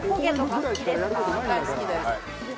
大好きです